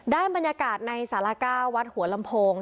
ด้านบรรยากาศในสาระก้าวัดหัวลำโพง